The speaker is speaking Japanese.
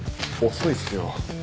遅いっすよ。